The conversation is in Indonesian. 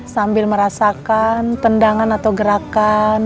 sambil merasakan tendangan atau gerakan